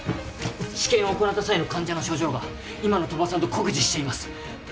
治験を行なった際の患者の症状が今の鳥羽さんと酷似しています。